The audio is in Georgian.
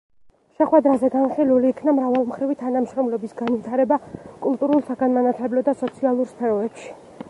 შეხვედრაზე განხილულ იქნა მრავალმხრივი თანამშრომლობის განვითარება კულტურულ, საგანმანათლებლო და სოციალურ სფეროებში.